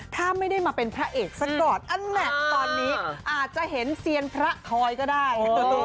ถ้าไม่ได้มาเป็นพระเอกสักก่อนอันแมทตอนนี้อาจจะเห็นเซียนพระคอยก็ได้